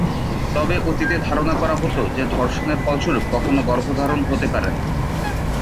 তবে অতীতে ধারণা করা হত যে, ধর্ষণের ফলস্বরূপ কখনো গর্ভধারণ হতে পারে না।